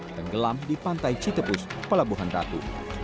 tenggelam di pantai citepus pelabuhan ratu